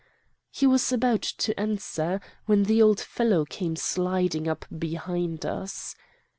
"He was about to answer, when the old fellow came sidling up behind us.